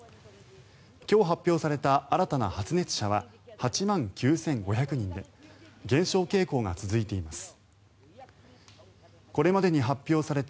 今日発表された新たな発熱者は８万９５００人で減少傾向が続いています。